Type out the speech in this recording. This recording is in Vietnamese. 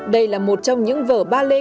đây là một trong những vở ballet